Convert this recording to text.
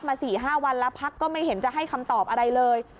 คุยกับทั้งพักมาสี่ห้าวันแล้วพักก็ไม่เห็นจะให้คำตอบอะไรเลย